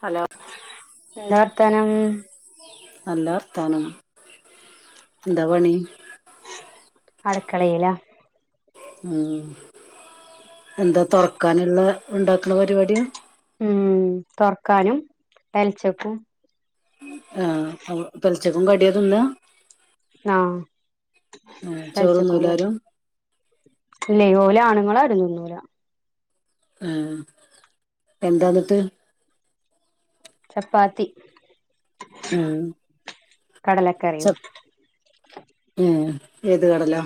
Hello എന്താ വർത്താനം നല്ലർത്താനം എന്താ പണി? അടുക്കളയില ഉ എന്താ തുറക്കാനുള്ള ഉണ്ടാക്കണ പരിപാടിയാ ഉം തുറക്കാനും അലച്ചക്കും ആ പെലച്ചക്കും കടിയതൊന്ന് ആഹ് പെലച്ചക്കും ചോറ്ന്നൂല ക ആരും ഇല്ല ഓല ആണുങ്ങളാരും തിന്നൂല ഉം എന്താന്നിട്ട്? ചപ്പാത്തി ഉം കടല ചപ് മ് ഏത് കടലാ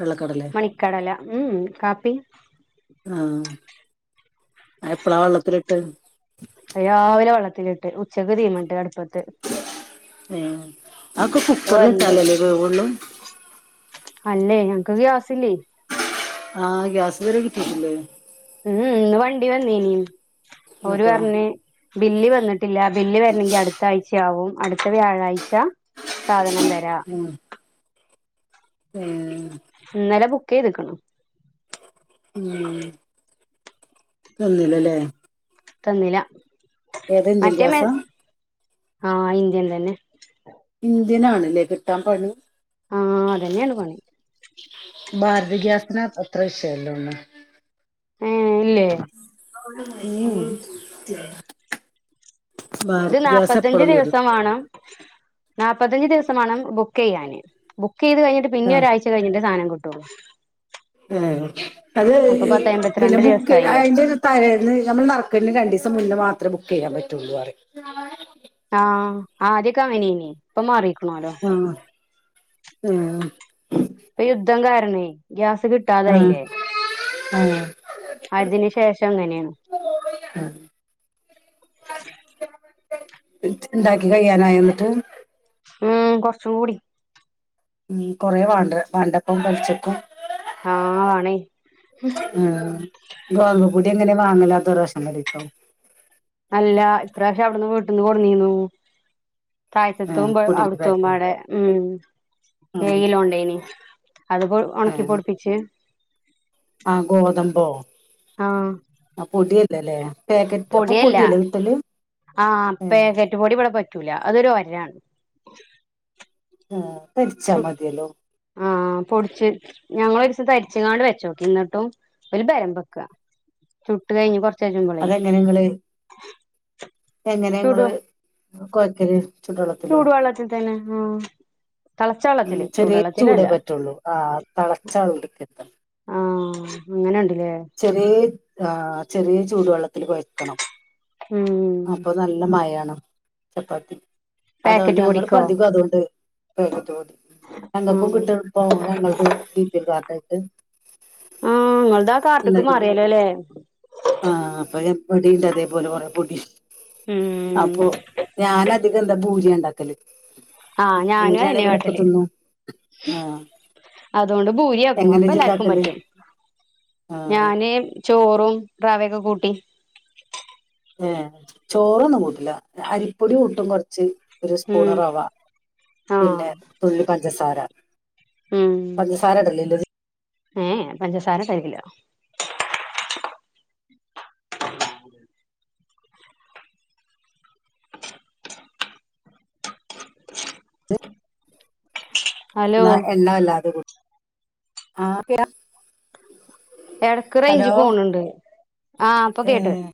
വെള്ളക്കടല ഇക്കടല ഉം കാപ്പി ആഹ് എപ്പഴാ വെള്ളത്തിലിട്ട് രാവിലെ വെള്ളത്തിലിട്ട് ഉച്ചക്ക് തീമണ്ട് അടുപ്പത്ത് മ് ആക്കെ ഓ കുക്കറിൽ എന്തോ ഇട്ടാലല്ലേ വേവൊള്ളു അല്ലേ ഞങ്ങക്ക് ഗ്യാസില്ലേ ആഹ് ഗ്യാസ് ഇത് വരെ കിട്ടീട്ടില്ലേ ഉം ഇന്ന് വണ്ടി വന്നേനി ഓര് എന്നിട്ടോ പറഞ് ബില്ല് വന്നിട്ടില്ല ബില്ല് വരണമെങ്കിൽ അടുത്ത ആഴ്ചയാവും അടുത്ത വ്യാഴാഴ്ച സാധനം തരാ ഉം ഉം ഇന്നലെ ബുക്ക് ചെയ്ത്ക്ക്ണ്‌ ഉം തന്നില്ലല്ലേ തന്നില്ല ഏതാ ഇന്ത്യൻ മറ്റേ ഗ്യാസാ മേസ് ആഹ ഇന്ത്യൻ തന്നെ ഇന്ത്യൻ ആണല്ലേ കിട്ടാൻ പണി ആഹ അതന്നെയാണ് പണി ഭാരത് ഗ്യാസിന് അത്ര വിഷയമല്ലൊന്നും ആഹ് ഇല്ലേ? ഏ ഇത് നാല്പ്പത്തഞ്ച് വരും ദിവസം വേണം നാല്പ്പത്തഞ്ച് ദിവസമാണ് ബുക്ക് ചെയ്യാന് ബുക്ക് ചെയ്ത് കഴിഞ്ഞിട്ട് പിന്നെ ആഹ് ഒരാഴ്ച ച കഴിഞ്ഞിട്ടെ സാധം കിട്ടുള്ളൂ ഏ അത് അപ്പൊ പത്ത് പിന്നെ അമ്പത്തിരണ്ട് ബുക്ക് ദിവസായില്ലേ അയിന്റെ തലെന്ന് നമ്മൾ നറക്കണ്ട രണ്ടീസം മുന്നേ മാത്രമേ ബുക്ക് ചെയ്യാൻ പറ്റുള്ളു അറയും ആഹ് ആദ്യൊക്കെ അങ്ങനീന ഇപ്പൊ മാറിയിക്കണാലോ മ് ഇപ്പൊ യുദ്ധം കാരണെ ഗ്യാസ് കിട്ട ആഹ ആഹ അതിന് ശേഷം ഇങ്ങനെയാണ് [inaudible] ണ്ടാക്കി കഴിയാനായോ എന്നിട്ട് ഉം കുറച്ചുകൂടി ഉ കൊറെ വാണ്ട വണ്ടപ്പം പ ളിച്ചക്കും [unintelligible] ആഹ ആണെ ആ ഗോതമ്പ് പൊടി എങ്ങനെ വാങ്ങണത് അതോ റേഷൻ പിടിത്തോ അല്ല ഇപ്രാവശ്യ അവിടുന്ന് വീട്ടിന്ന് കൊടിന്നീന്നു താഴ്ത്തതും ഏഹ് പൊടിന്റെ അവിടുത്തോ പാക്ക് പടെ ഉം ആഹ് ഏഴ് ലോണ്ടായി നിഅത് ഉണക്കി പൊടിപ്പിിച്ച് ആഹ ഗോതമ്പോ ആഹ് ആ പൊടി ല്ലല്ലേ പാക്കറ്റ് അപ്പൊ പൊടിയല്ല പൊട്ടിയല്ലേ കിട്ടല് പുട്ട് പൊടിവിടെ പറ്റൂല അതൊരു ഒരാണ് ആ തരിച്ചാ മതിയല്ലോ ആഹ പൊടിിച്ചച്ച് ഞങ്ങൾ ഒരുസം തരിച്ചങ്ങാണ്ട് വെച്ചോക്കി എന്നിട്ടും ഒരു ബലം വെക്ക ചുട്ട് കഴിഞ്ഞ് കൊറച്ചാഴുമ്പഴെ അതെങ്ങനെ ഇങ്ങള് എങ്ങനെ ങ്ങള് കൊഴക്കല് ചുടുവെള്ളത്തിലോ ചൂടു വെള്ളത്തി തന്നെ ആ തളച്ച വെള്ളത്തില് ഉംചെറിയ ചൂടെേ ചൂടുവെള്ളത്തിലല്ല പറ്റുള്ളൂ ആ് തളച്ച വെള്ള ട് ക്കരുത് ആ അങ്ങനെണ്ട്ല്ലേ ചെറിയ ആ ചെറിയ ചൂടുവെള്ളത്തിൽ കൊഴക്കണം ഉം അപ്പൊ നല്ല മയാണ് ചപ്പാത്തി അതുകൊണ്ട് പാക്കറ്റ് ഞങ്ങള് ഇപ്പ പൊടിക്കോ ഞങ്ങളധിക തോണ്ട് ആ ഞങ്ങക്കും കിട്ടു ഇപ്പോ ഞങ്ങളത് ബി പി എം കാർഡേർക്ക് നിങ്ങളുത് ആ കാർഡ്ക്ക് മാറിയാലോ ല്ലേ ആഹ അപ്പൊ ഞ വടിണ്ട് അതേപോലെ കുറെ പൊടി ഉം അപ്പൊ ഞാനത് അധികന്താ പൂരി ഉണ്ടാക്കല് ആ ഞാനും പൂരിയാണി അയന്നെ ങ്കിൽഇവരൊക്കെ തിന്നും ആഹ അതോണ്ട് പൂരിയാക്കും അപ്പൊ എല്ലാർക്കും പറ്റും ആഹ് ഞാന് ചോറും റവയൊക്കെ കൂട്ടി ഏ ചോറൊന്നും കൂട്ടില്ല അരിപ്പൊടി കൂട്ടും കുറച്ച് ഒരു സ്പൂൺ ഉം റവ ആഹ് പിന്നെ തുള്ളി പഞ്ചസാര പഞ്ചസാര ഇട ല്ലില്ലതിൽ ഏ ഏ പഞ്ചസാര സേവില്ല [inaudible] ഹലോ എന്നാ എണ്ണ അല്ലാതെ കൂ ആ [unintelligible] എടക്ക് റേഞ്ചി പോണണ്ട് ആഹ ഇപ്പൊ കേട്ട് ഏഹ്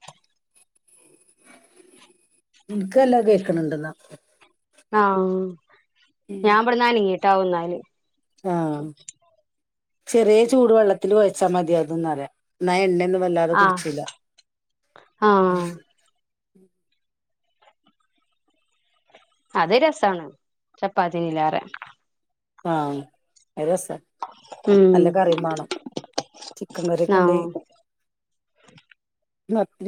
ഇൻക്ക് നല്ല കേക്ക്ണണ്ടെന്നാ ആഹ ഞാൻവടന്ന് അന ങ്ങീട്ടാവും ന്നാല് ആഹ ചെറിയ ചൂട് വെള്ളത്തിൽ കുഴച്ചാ മതി അതന്നിറയാ എന്ന എണ്ണ വല്ലാതെ ആഹ് കുടിചൂല്ല ആഹ് അത് രസമാണ് ചപ്പാത്തിനിലേറെ അത് രാസാ ഉം നല്ല കറി മാണംചിക്കൻ കറിയൊക്കെ ആഹ് ഇണ്ടേൽ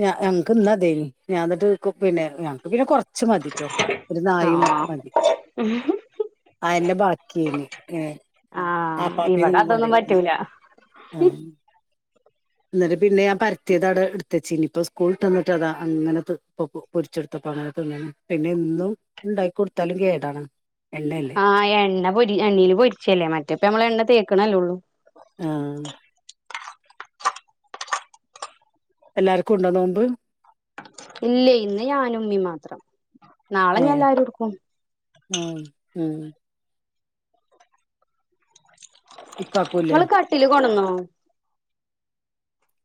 ഞങ്ങക്ക് ഇന്ന അതേ ഞാ എന്നിട്ട് പിന്നെ ഞങ്ങക്ക് പിന്നെ കൊറ ച്ച് മതിട്ടോ ഒരു നായി ആഹ് മതി അയന്ന ബാക്കി നിം ആഹ് അപ്പാപ്പിം ഇവിടെ അതൊന്നും കൊണ്ടോയ്ക്കണ് പറ്റൂല എന്നിട്ട് പിന്നെ ഞാൻ പരുത്തിയത് അട എടുത്തചീനി ഇനിയിപ്പോ സ്കൂൾിട്ടന്നിട്ട്താ അങ്ങനെ തിന്ന് കു പൊരിച്ചെടുത്ത പണക്കന്ന പിന്നെ ഇന്നും ഉണ്ടാക്ക കൊടുത്താലും കേടാണ് എണ്ണ ല്ലെ ആഹ് എണ്ണൊ പൊരി എണ്ണയിൽ പൊരിച്ചല്ലേ മറ്റേപ്പ നമ്മള എണ്ണ തേക്കണല്ലേ ഒള്ളൂ ആഹ് എല്ലാർക്കും ഉണ്ടോ നോമ്പ് ഇല്ലയ് ഇന്ന് ഞാനു ഉമ്മിം മാത്രം നാളെ ഇഞ്ഞ് എല്ലാരും എടുക്കും ഉം ഉം ഇപ്പാക്കൂല്ലേ ഇങ്ങള് കട്ടില് കൊട്ന്നോ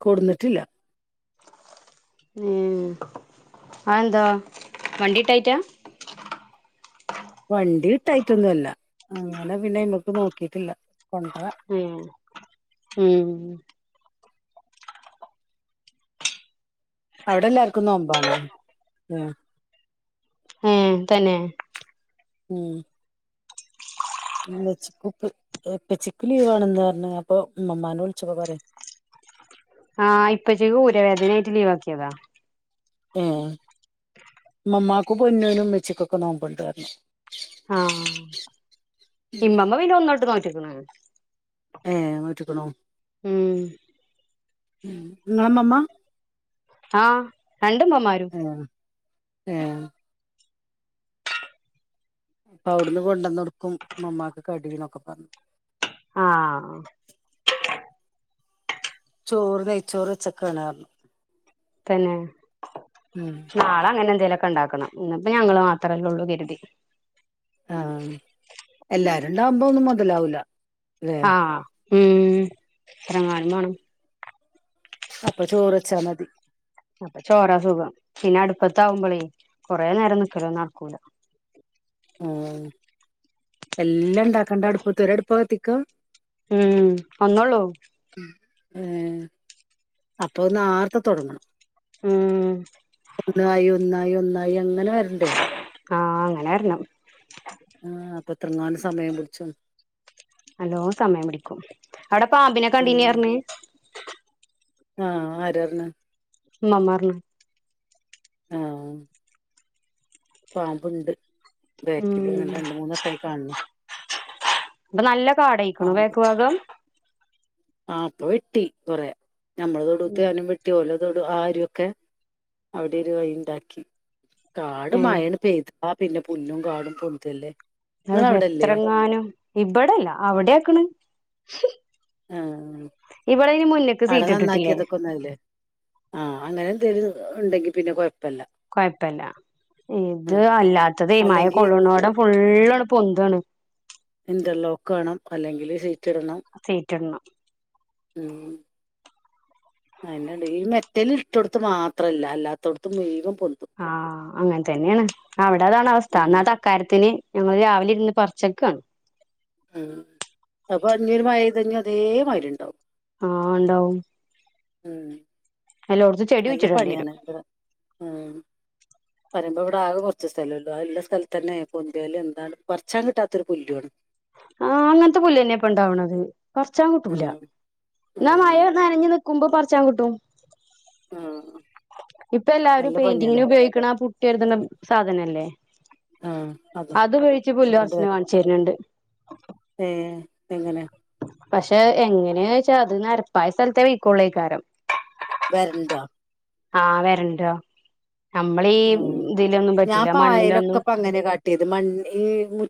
കൊടുന്നിട്ടില്ല ഏഹ് അത് എന്താ വണ്ടി കിട്ടായിട്ടാ വണ്ടി കിട്ടായിട്ടൊന്നും അല്ല അങ്ങനെ പിന്നെ അയ്മക്ക് നോക്കിട്ടില്ല കൊണ്ടരാൻ ഏഹ് ഉം അവിടെ എല്ലാർക്കും നോമ്പാണോ ഉം ഏഹ് തന്നെ ഉം ഉമ്മച്ചി ഉപ്പ ഉപ്പച്ചിക്ക് ലീവ് ആണെന്ന് പറഞ്ഞ അപ്പൊ ഉമ്മമ്മാനെ വിളിച്ചപ്പോ പറഞ്ഞു ആഹ് ഇപ്പച്ചിക്ക് ഊര വേദനയായിട്ട് ലീവ് ആക്കിയതാ ഏഹ് ഇമ്മമ്മാക്കും പൊന്നുനും ഉമ്മച്ചികും ഒക്കെ നോമ്പ് ഇണ്ട് പറഞ്ഞു ആഹ് ഇമ്മമ്മ പിന്നെ ഒന്നോട്ട് നോറ്റ്ക്ക്ണ് ഏഹ് നോറ്റിക്കണോ ഉം ഉം ഇങ്ങളെ ഇമ്മമ്മ ആഹ രണ്ട് ഇമ്മമ്മമാരും ആഹ് ഏഹ് അവിടുന്ന് കൊണ്ടണ് കെടുക്കും ഇമ്മമ്മാക്ക് കടി നെക്കെപറഞ്ഞു ആഹ് ചോറ് നെയ്ച്ചോറ് വെച്ചൊക്കെണ് പറഞ്ഞു തന്നെ ഉം നാളെ അങ്ങനെ എന്തേലുമൊക്കെ ഉണ്ടാക്കണം ഇന് ഇപ്പെ ഞങ്ങള് മാത്രമല്ലേ ഒള്ളൂ കരുതി ആഹ് എല്ലാരും. ഉണ്ടാകുമ്പോ ഒന്നും മുതലാവൂല ല്ലേ ആഹ് ഉം എത്രങ്ങാനും മാണം അപ്പൊ ചോറ് വച്ചാ മതി അപ്പൊ ചോറ സുഖം പിന്നെ അടുപ്പത്താവുമ്പോളേ കൊറേ നേരം നിക്കെലെന്നും നാടക്കൂല ഉം എല്ലാം ഇണ്ടാക്കണ്ടെ അടുപ്പത്ത് ഒരു അടുപ്പാ കത്തിക്കാ ഉം ഒന്നോള്ളൂ ഏഹ് അപ്പൊ ഒന്ന് നാർത്തെ തുടങ്ങണം ഒന്നായി ഒന്നായി ഒന്നായി അങ്ങനെ വരണ്ടേ ആഹ് അങ്ങനെ വരണം ആഹ് അപ്പം എത്രങ്ങാനും സമയം പുടിച്ചും നല്ലോം സമയം പിടിക്കും അവിടെ പാമ്പിനെ കണ്ടിനി ഉം പറഞ് ആഹ് ആര് പറഞ് ഇമ്മമ്മ പറഞ്ഞ് ആഹ് പാമ്പ് ഇണ്ട് ബാക്കില് ഉം ഇങ്ങനെ രണ്ട് മൂന് വ്ട്ടമായി കാണ് ണ് അപ്പൊ നല്ല കാടായിക്കണോ ബാക്ക് ഭാഗം ആ ഇപ്പൊ വെട്ടി കൊറെ ഞമ്മളെ തൊടുത്തത് ഉം ഞാനും വെട്ടി ട്ടി ഓലെ തെടു ആ അരു ഒക്കെ അവിടെ ഒരു വഴി ഉണ്ടാക്കി കാട് ഏഹ് മഴപെയ്താ പിന്നെ പുല്ലും കാടും പൊന്തല്ലേ നിങ്ങളവിടല്ലേ എത്രങ്ങാനും ഇബടെ ഇല്ല അവിടെ ആക്ക്ണ് ആഹ് അവിടെ സീറ്റ് ഇട്ടിട്ടില്ലേ നന്നാക്കിയത് ഒക്കെ ഓന്നായില്ലേ ആഹ് അങ്ങനെ എന്തേലും ഉണ്ടെങ്കി പിന്നെ കുഴപ്പില്ല കുഴപ്പല്ല ഇത് അല്ലാത്തത് ഈമഴ അല്ലെങ്കി കൊള്ളന്നോടം ഫുള്ള് അങ്ങ് പൊന്താണ് ഇന്റർലോക്ക് വേണം അല്ലെങ്കിൽ സീറ്റ് ഇടണം സീറ്റ് ഇടണം [unintelligible] അണ്ട് ഈ മെറ്റിൽ ഇട്ടിടത്ത് മാത്രമല്ല അല്ലാത്തടത്തും വേഗാഗം പൊന്തും ആഹ് അങ്ങനെ തന്നെയാണ് അവിടതാണ് അവസ്ഥ ഉം അന്നതാ കാര്യത്തിന് ഞങ്ങൾളു രാവിലെ ഇരുന്ന് പറിച്ചെക്കാണ് ഉം അപ്പൊ ഇനിയൊരു മയ പെയ്തൈഞ്ഞാ അതേ മാതിരി ഉണ്ടാവും ആഹ് ഉണ്ടാവും ഉം എല്ലോടത്തും ചെടി അല്ല കുഴിച്ചിടേണ്ടി വരും പണിയാണ് ഇത് ഏഹ് പറയുമ്പ ഇവിടെ ആകെ കൊറച്ചു സ്ഥലേ ഉള്ളു ആ ഉള്ള സ്ഥലത്തന്നെ പൊന്തേല് എന്താണ് പറച്ചാനിട്ടാത്തൊരു പുല്ലു ആണ് ആഹ് അങ്ങനത്തെ പുല്ലു തന്നാ ഇപ്പ ഉണ്ടാവണത് പറിച്ചാൻ കിട്ടൂല ഉം എന്നാ ഉം മഴ നനഞ്ഞു നിക്കുമ്പം പറിച്ചാൻ കിട്ടും ഉം ഇപ്പ എല്ലാവരും നല്ല പണിയാണ് പെയിന്റിങ്ങിന് ഉപയോഗിക്കണ ആ പുട്ട് കുട്ടിയെഎഴുതണം സാധനല്ലേ അത് ഉപയോഗിച്ച് പുല്ല് പറിച്ചണ കാങ്ങിച്ചു തരുന്നുണ്ട് ഏഹ് എങ്ങനെ പക്ഷെ എങ്ങനെയോ ചോദിച്ചാ അതു നെരപ്പായ സ്ഥലത്തേ വീക്കൊള്ളീക്കാരം വെരണ്ടോ ആഹ് വരണ്ടോ നമ്മളീ ഉം ഇതിലൊന്നും ഞാൻ പറ്റൂല പായലൊക്കെ മണ്ണിലൊന്നും ഇപ്പ അങ്ങനെ കാട്ട് ട്ടിയത് മാൺ ഈഹ് മു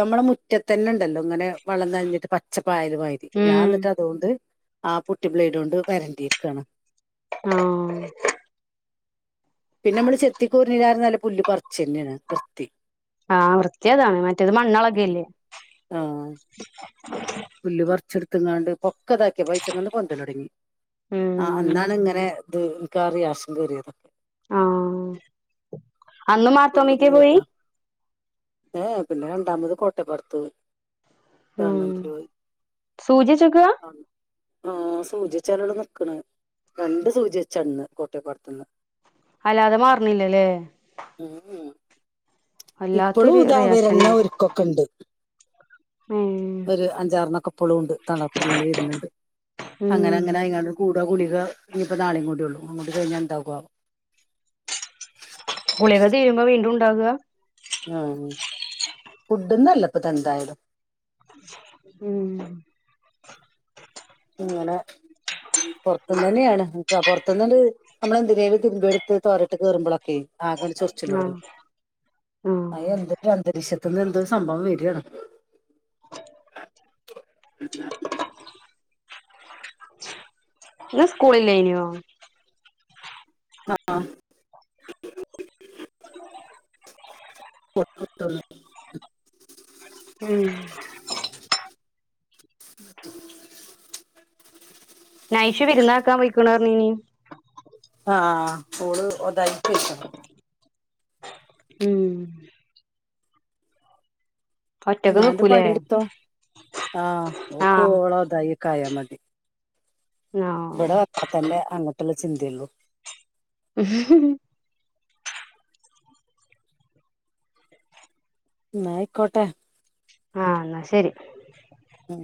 നമ്മടെ മുറ്റത്തന്നുണ്ടല്ലോ ഇങ്ങനെ വളന്നഴിഞ്ഞിട്ട് പ ച്ചപ്പായാലു മായിരി ഞാൻ ഉം എന്നിട്ട് അതോണ്ട് ആ കുട്ടി ബ്ലേഡ് കൊണ്ട് വരണ്ടീക്കുവാണ് ആഹ് പിന്നെ നമ്മള് ചെത്തിക്കൂറിഞ്ഞില്ലാരും പുല്ല് പറിച്ചെന്നയാണ് വൃത്തി ആഹ് വൃത്തികേടാണ് മറ്റേത് മണ്ണി ളകേലെ ആ പുല്ല് പററിച്ചെടുത്തെങ്ങാണ്ട് പൊക്കതാക്കി പൈസങ്ങന്ന് പൊന്തലൊടങ്ങി ആ ഉം അന്നാണിങ്ങനെ ഇത് മിക്കവാറും ഗ്യാസിങ്കേറിയതാ ആഹ് അന്ന് മാർത്തോമീക്ക പുല്ലിന്ന് പോയി വരുന്നോ ഏഹ് പിന്നെ രണ്ടാമത് കോട്ടപ്പുറത്ത് ഉം [unintelligible] സൂചി വെച്ചേക്കുവാ ആഹ് ആഹ് സൂചിച്ചാലോടെ നിക്കണ് രണ്ട് സൂചി വെച്ചന്ന് കോട്ടയപ്പാടത്തൂന്ന് അല്ലതെ മാറുന്നില്ലല്ലേ ഉം ഹും ഇപ്പളും വല്ലാത്തൊരു ഇതാ വിരലില റിയാക്ഷനാ ക്കൊക്കൊണ്ട് ഉം ഒരു അഞ്ചാറിനൊക്കെ ഇപ്പോളും ഉണ്ട് തളപ്പിങ്ങനെ വരുന്നുണ്ട് അങ്ങനെ ഉം അങ്ങനെ കൂടെ ഗുളിക ഇനിയിപ്പ നാളേം കൂടി ഒള്ളൂ അങ്ങോട്ട് കഴിഞ്ഞാ എന്താ ഗുളിക തീർന്നു വീണ്ടും ഉണ്ടാവുക ഉം ഫുഡ്ഡോന്നും അല്ല ഇപ്പതെന്തായാലും ഉം ഇങ്ങനെ പൊറത്തൂന്ന് തന്നെയാണ് അഹ് പുറത്തൂന്നണ്ട് നമ്മളെന്തിനേലും തിൻമ്പി എടുത്ത് തോരട്ട് കേറുമ്പോഴൊക്കെ ആകെ ഒരു ചൊറിച്ചിലു ആഹ് തൊടങ്ങും ആഹ് അതിനെന്തൊ അന്തരീക്ഷത്തിന്ന് എന്ത സംഭവം വരുവാണെ [unintelligible] ഇന്നു സ്കൂളില്ലായിനോ ആ [unintelligible] ഉ [unintelligible] കൊ ഉം [unintelligible] നയിഷു വിരുന്നാക്കാൻ പൊയ്ക്കണോ പറഞ്ഞിനി ആഹ് ഓളു ഒതായിക്കു പോയിക്കണ് ഉം ഒറ്റക്ക് ഉമ്മാന്റെ നിക്കൂലേ പനിയെടുത്തോ ആഹ് ഓക്ക് ആഹ് ഒലെ അതയേക്കാ അതു മതി ആഹ് ഇവിടെ അപ്രത്തിന്റെ അങ്ങോട്ടുള്ള ചിന്ത ഉള്ളു ഉം ഹു ഹു എന്നായി കോട്ടെ ആഹ് എന്നാ ശരി ഉം